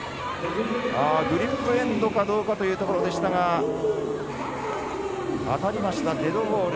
グリップエンドかどうかというところでしたが当たりました、デッドボール。